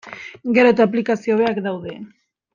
Gero eta aplikazio hobeak daude.